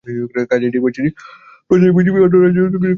কাজেই নির্বাচনী প্রচারে বিজেপি অন্য রাজ্যে যতটা আগ্রাসী, আসামে ততটা নয়।